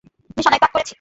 নিশানায় তাক করেছি!